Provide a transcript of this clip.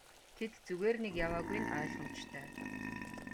Тэд зүгээр нэг яваагүй нь ойлгомжтой.